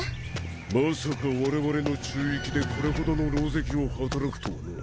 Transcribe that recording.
まさか我々の宙域でこれほどの狼藉を働くとはな。